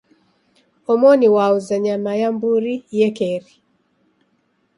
Omoni wauza nyama ya mburi iekeri.